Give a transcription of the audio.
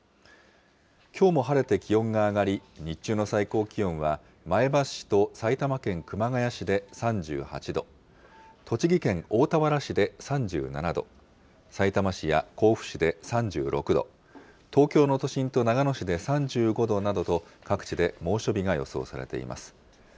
きょうも晴れて気温が上がり、日中の最高気温は、前橋市と埼玉県熊谷市で３８度、栃木県大田原市で３７度、さいたま市や甲府市で３６度、東京の都心と長野市で３５度などと、各地で猛暑日が予想されています。